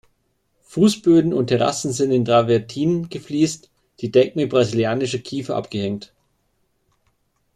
Fußböden und Terrassen sind in Travertin gefliest, die Decken mit brasilianischer Kiefer abgehängt.